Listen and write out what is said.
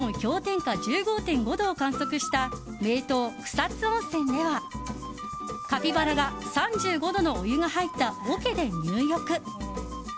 先週水曜日に最低気温氷点下１５．５度を観測した名湯・草津温泉では、カピバラが３５度のお湯が入った桶で入浴。